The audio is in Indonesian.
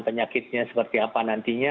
penyakitnya seperti apa nantinya